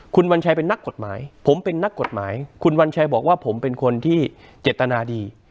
คุณวัญชัยเป็นนักกฎหมายผมเป็นนักกฎหมายคุณวัญชัยบอกว่าผมเป็นคนที่เจตนาดี